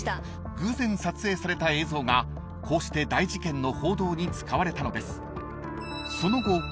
［偶然撮影された映像がこうして大事件の報道に使われたのです］